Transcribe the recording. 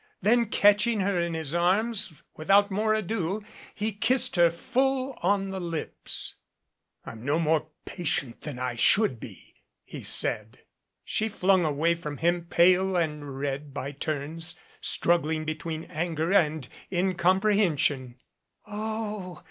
Then catching her in his arms without more ado, he kissed her full on the lips. "I'm no more patient than I should be," he said. She flung away from him, pale and red by turns, struggling between anger and incomprehension. "Oh!"